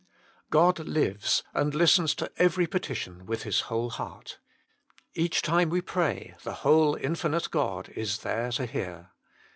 God lives, and listens to every petition with His whole heart. Each time we pray the whole Infinite God is there to hear.